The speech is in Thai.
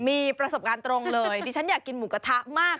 มีประสบการณ์ตรงเลยดิฉันอยากกินหมูกระทะมาก